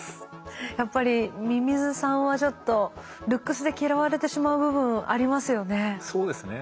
やっぱりミミズさんはちょっとルックスで嫌われてしまう部分ありますよね？